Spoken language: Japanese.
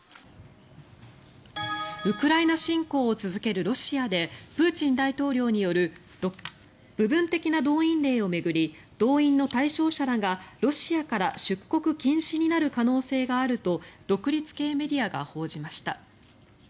ウクライナ侵攻を続けるロシアでプーチン大統領による部分的な動員令を巡り動員の対象者らがロシアから出国禁止になる可能性があると独立系メディアが報じました。